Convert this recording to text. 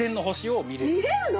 見れるの？